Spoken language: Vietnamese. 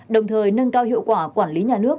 đồng thời nâng cao hiệu quả quản lý nhà nước